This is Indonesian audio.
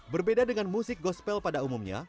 berbeda dengan musik gospel pada umumnya